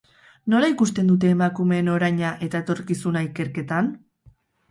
Nola ikusten dute emakumeen oraina eta etorkizuna ikerketan?